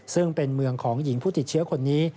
ซึ่งเป็นเมืองของหญิงผู้ติดเชื้อคนนี้